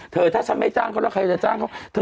เธอถ้าฉันไม่จ้างเขาแล้วใครจะจ้างเขา